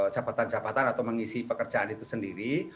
jabatan jabatan atau mengisi pekerjaan itu sendiri